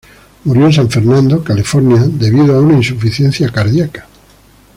Murió en San Fernando, California debido a una insuficiencia cardíaca.